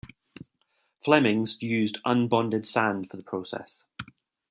Flemmings used unbonded sand for the process.